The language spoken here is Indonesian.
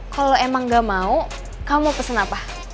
kalo emang gak mau kamu mau pesen apa